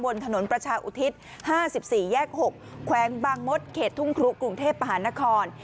บนถนนประชาอุทิศ๕๔แยก๖แขวงบางมดเขตทุ่งครุกรุงเทพมหานคร